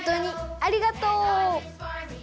ありがとう！